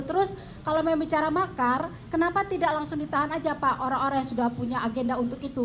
terus kalau bicara makar kenapa tidak langsung ditahan aja pak orang orang yang sudah punya agenda untuk itu